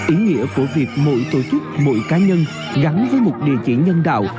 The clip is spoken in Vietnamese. ý nghĩa của việc mỗi tổ chức mỗi cá nhân gắn với một địa chỉ nhân đạo